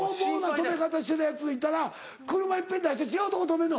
横暴な止め方してるヤツいたら車一遍出して違うとこ止めんの。